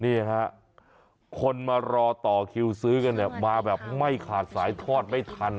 นี่ฮะคนมารอต่อคิวซื้อกันเนี่ยมาแบบไม่ขาดสายทอดไม่ทัน